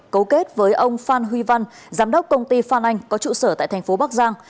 cấu kết với ông phan huy văn giám đốc công ty phan anh có trụ sở tại thành phố bắc giang